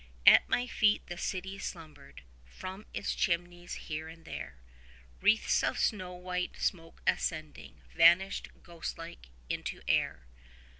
At my feet the city slumbered. From its chimneys, here and there, Wreaths of snow white smoke ascending, vanished, ghost like, into air.